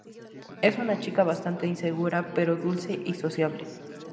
Es una chica bastante insegura pero dulce y sociable.